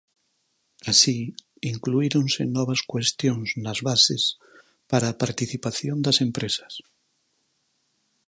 Así, incluíronse novas cuestións nas bases para a participación das empresas.